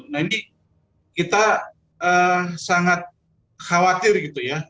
nah ini kita sangat khawatir gitu ya